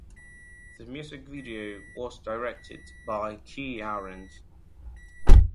The music video was directed by Kii Arens.